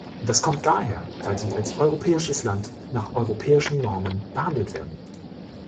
Das kommt daher, weil Sie als europäisches Land nach europäischen Normen behandelt werden.